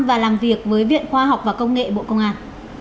và làm việc với viện khoa học và công nghệ bộ công an